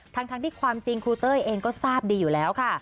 ทั้งที่ความจริงครูเต้ยเองก็ทราบดีอยู่แล้วค่ะ